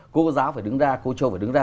cô giáo phải đứng ra cô chu phải đứng ra